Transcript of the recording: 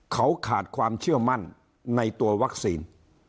เขาขาดความเชื่อมั่นในตัววัคซีน